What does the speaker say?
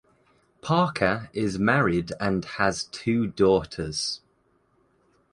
Parker is married and has two daughters.